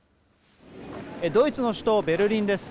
ドイツの首都ベルリンです。